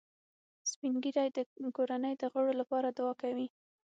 سپین ږیری د کورنۍ د غړو لپاره دعا کوي